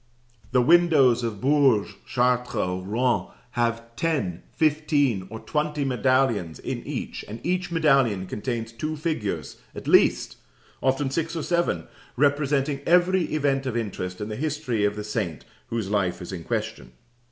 The windows of Bourges, Chartres, or Rouen have ten, fifteen, or twenty medallions in each, and each medallion contains two figures at least, often six or seven, representing every event of interest in the history of the saint whose life is in question.